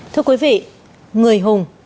thưa quý vị người hùng